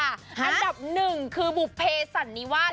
อันดับหนึ่งคือบุภเพสันนิวาส